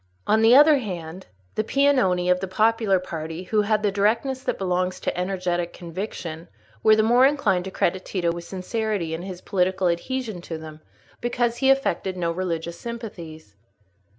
On the other hand, the Piagnoni of the popular party, who had the directness that belongs to energetic conviction, were the more inclined to credit Tito with sincerity in his political adhesion to them, because he affected no religious sympathies.